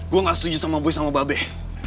gue gak setuju sama boyo sama babeh